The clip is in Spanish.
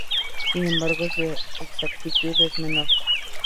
Sin embargo, su exactitud es menor.